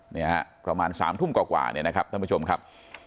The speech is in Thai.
เนี่ยฮะประมาณ๓ทุ่มกว่าเนี่ยนะครับท่านผู้ชมครับ